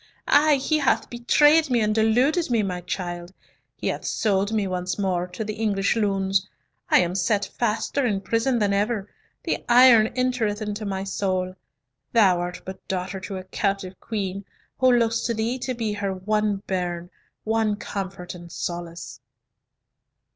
Ay, he hath betrayed me, and deluded me, my child; he hath sold me once more to the English loons! I am set faster in prison than ever, the iron entereth into my soul. Thou art but daughter to a captive queen, who looks to thee to be her one bairn, one comfort and solace."